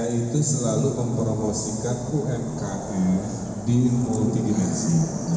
kita itu selalu mempromosikan umkm di multidimensi